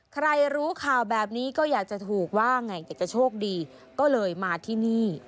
ใครรู้ข่าวแบบนี้ก็อยากจะถูกว่าไงอยากจะโชคดีก็เลยมาที่นี่